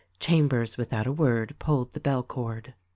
Chambers without a word pulled the bell cord.